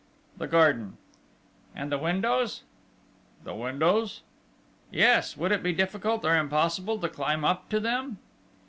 "The garden." "And the windows?" "The windows?" "Yes. Would it be difficult, or impossible to climb up to them?"